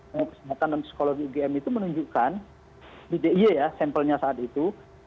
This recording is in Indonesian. imun pesemakan dan psikologi ugm itu menunjukkan di dia ya sampelnya saat itu